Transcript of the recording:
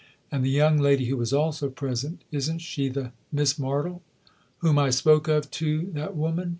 "And the young lady who was also present isn't she the Miss Martle ?"" Whom I spoke of to that woman